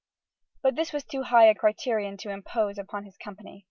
But this was too high a criterion to impose upon his company.